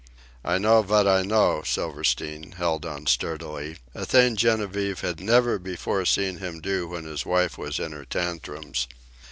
"I know vat I know," Silverstein held on sturdily a thing Genevieve had never before seen him do when his wife was in her tantrums.